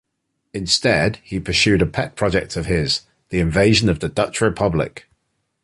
Instead he pursued a pet project of his, the invasion of the Dutch Republic.